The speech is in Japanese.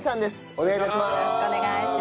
お願い致します。